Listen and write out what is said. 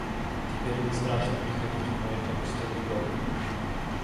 Теперь мне страшно приходить в мой опустелый дом.